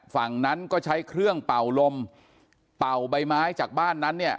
ฝั่งนั้นก็ใช้เครื่องเป่าลมเป่าใบไม้จากบ้านนั้นเนี่ย